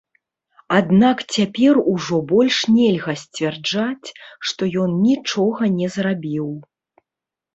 Аднак цяпер ужо больш нельга сцвярджаць, што ён нічога не зрабіў.